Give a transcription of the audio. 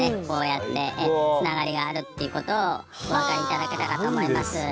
こうやってつながりがあるっていうことをお分かり頂けたかと思います。